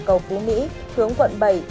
cầu phú mỹ hướng quận bảy